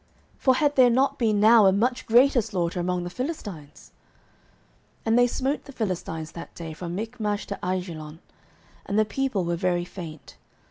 for had there not been now a much greater slaughter among the Philistines? 09:014:031 And they smote the Philistines that day from Michmash to Aijalon: and the people were very faint.